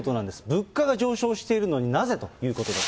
物価が上昇しているのになぜということで。